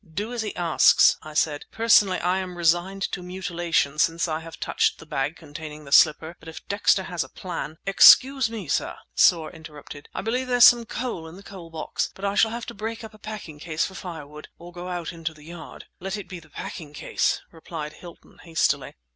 "Do as he asks," I said. "Personally, I am resigned to mutilation, since I have touched the bag containing the slipper, but if Dexter has a plan—" "Excuse me, sir," Soar interrupted. "I believe there's some coal in the coal box, but I shall have to break up a packing case for firewood—or go out into the yard!" "Let it be the packing case," replied Hilton hastily.